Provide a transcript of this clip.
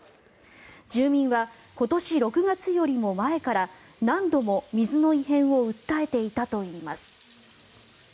住民は今年６月よりも前から何度も水の異変を訴えていたといいます。